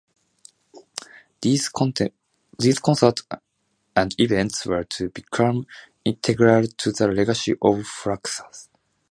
These concerts and events were to become integral to the legacy of Fluxus.